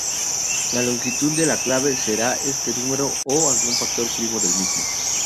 La longitud de la clave será este número o algún factor primo del mismo.